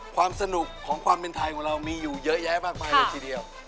ความสนุกของความเป็นไทยของเรามีอยู่เยอะแยะมากมายเลยทีเดียว